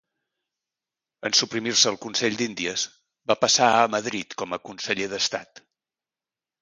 En suprimir-se el Consell d'Índies, va passar a Madrid com a conseller d'Estat.